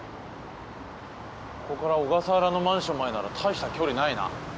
ここから小笠原のマンションまでなら大した距離ないな。